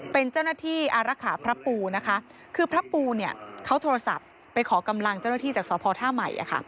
เป็นเจ้าหน้าที่อารักษาพระปูนะคะคือพระปูเนี่ยเขาโทรศัพท์ไปขอกำลังเจ้าหน้าที่จากสพท่าใหม่